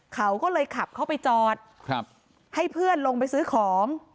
เขาก็เลยขับเข้าไปจอดให้เพื่อนลงไปซื้อของ